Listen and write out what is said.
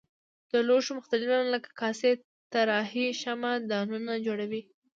د لوښو مختلف ډولونه لکه کاسې صراحي شمعه دانونه جوړوي.